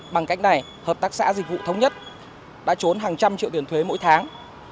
bằng cách này hợp tác xã dịch vụ thống nhất đã trốn hàng trăm triệu tiền thuế mỗi tháng